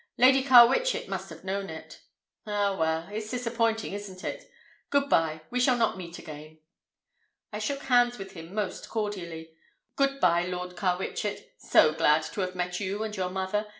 "Lady Carwitchet must have known it." "Ah, well, it's disappointing, isn't it? Good by, we shall not meet again." I shook hands with him most cordially. "Good by, Lord Carwitchet. So glad to have met you and your mother.